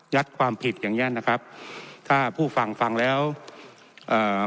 ความผิดอย่างเงี้ยนะครับถ้าผู้ฟังฟังแล้วเอ่อ